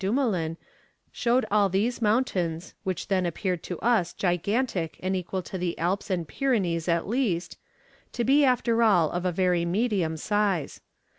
Dumoulin showed all these mountains, which then appeared to us gigantic and equal to the Alps and Pyrenees at least, to be after all of very medium size.